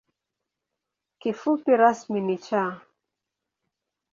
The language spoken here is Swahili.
Kifupi rasmi ni ‘Cha’.